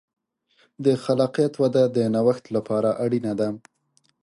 د خلاقیت وده د نوښت لپاره اړینه ده.